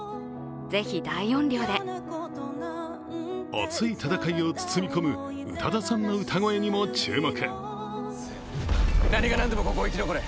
熱い戦いを包み込む宇多田さんの歌声にも注目。